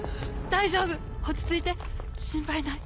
大丈夫落ち着いて心配ない。